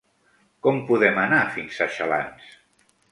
Com podem anar fins a Xalans?